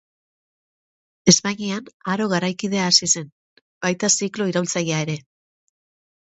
Espainian, Aro Garaikidea hasi zen, baita ziklo iraultzailea ere.